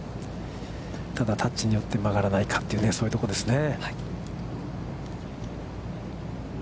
ただ、タッチによっては曲がらないか、そういうところですね。